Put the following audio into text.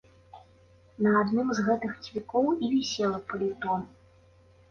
На адным з гэтых цвікоў і вісела паліто.